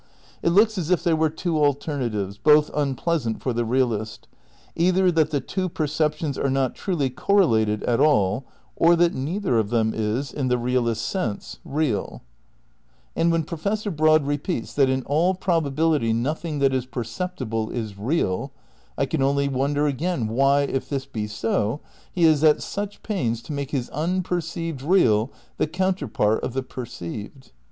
It looks as if there were two alternatives, both unpleasant for the realist: either that the two perceptions are not truly correlated at all, or that neither of them is, in the real ist's sense, real. m THE CRITICAL PREPARATIONS 81 And when Professor Broad repeats that "in all prob ability nothing that is perceptible is real" I can only wonder again why, if this be so, he is at such pains to make his unperceived real the counterpart of the per ceived.